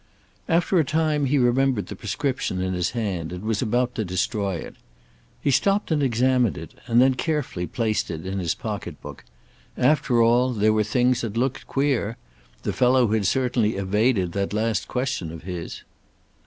After a time he remembered the prescription in his hand, and was about to destroy it. He stopped and examined it, and then carefully placed it in his pocket book. After all, there were things that looked queer. The fellow had certainly evaded that last question of his.